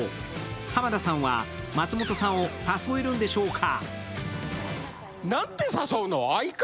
浜田さんは松本さんを誘えるんでしょうか。